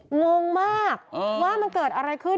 งงมากว่ามันเกิดอะไรขึ้น